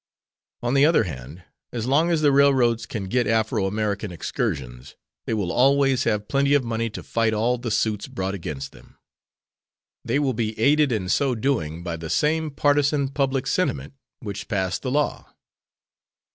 On the other hand, as long as the railroads can get Afro American excursions they will always have plenty of money to fight all the suits brought against them. They will be aided in so doing by the same partisan public sentiment which passed the law.